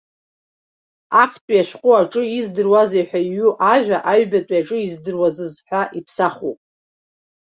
Актәи ашәҟәы аҿы издыруазеи ҳәа иҩу ажәа, аҩбатәи аҿы издыруазыз ҳәа иԥсахуп.